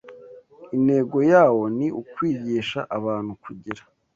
Intego yawo ni ukwigisha abantu kugira